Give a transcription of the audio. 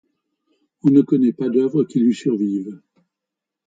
On ne connait pas d'œuvres qui lui survive.